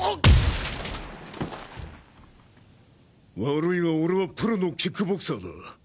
悪いが俺はプロのキックボクサーだ。